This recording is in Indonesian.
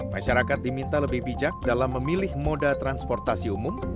masyarakat diminta lebih bijak dalam memilih moda transportasi umum